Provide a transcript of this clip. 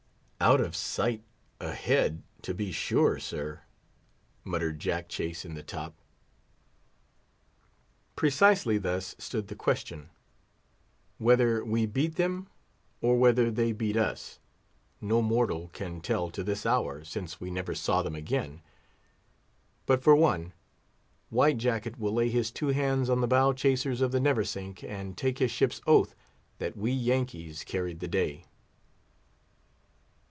"Out of sight, ahead, to be sure, sir," muttered Jack Chase, in the top. Precisely thus stood the question: whether we beat them, or whether they beat us, no mortal can tell to this hour, since we never saw them again; but for one, White Jacket will lay his two hands on the bow chasers of the Neversink, and take his ship's oath that we Yankees carried the day.